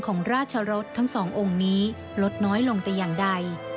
ของราชรสทั้งสององค์นี้ลดน้อยลงแต่อย่างใด